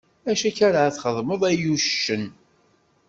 Acu akka ara txeddmeḍ ay uccen?